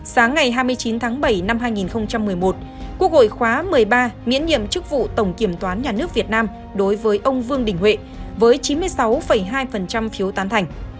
sáng ngày hai mươi chín tháng bảy năm hai nghìn một mươi một quốc hội khóa một mươi ba miễn nhiệm chức vụ tổng kiểm toán nhà nước việt nam đối với ông vương đình huệ với chín mươi sáu hai phiếu tán thành